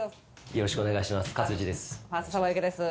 よろしくお願いします。